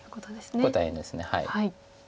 これ大変です。